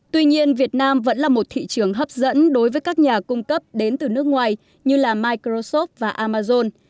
tuy nhiên việt nam vẫn là một thị trường hấp dẫn đối với các nhà cung cấp đến từ nước ngoài như microsoft và amazon